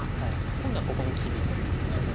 今度はここに切りですね。